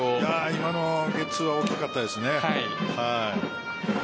今のゲッツーは大きかったですね。